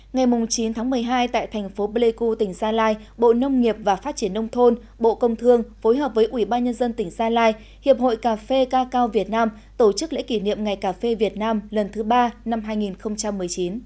ngày chín tháng một mươi hai tại thành phố pleiku tỉnh gia lai bộ nông nghiệp và phát triển nông thôn bộ công thương phối hợp với ủy ban nhân dân tỉnh gia lai hiệp hội cà phê ca cao việt nam tổ chức lễ kỷ niệm ngày cà phê việt nam lần thứ ba năm hai nghìn một mươi chín